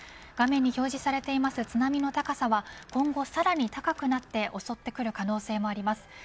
画面に表示されている津波の高さは今後さらに高くなって襲ってくる可能性もあります。